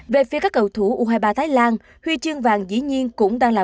về phía các cầu thủ u hai mươi ba thái lan huy chương vàng dĩ nhiên cũng đang là